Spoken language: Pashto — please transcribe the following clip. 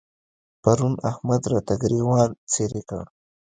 پرون احمد راته ګرېوان څيرې کړ.